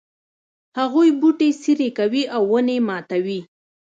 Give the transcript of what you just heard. هغوی بوټي څیري کوي او ونې ماتوي